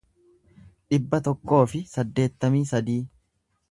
dhibba tokkoo fi saddeettamii sadii